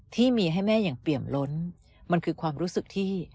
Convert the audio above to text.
ที่มีให้แม่อย่างเปี่ยมล้นมันคือความรู้สึกที่